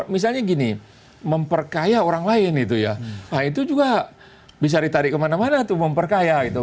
misalnya gini memperkaya orang lain itu ya nah itu juga bisa ditarik kemana mana tuh memperkaya gitu